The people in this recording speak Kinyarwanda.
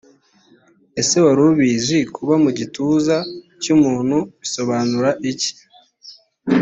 ese wari ubizi kuba mu gituza cy umuntu bisobanura iki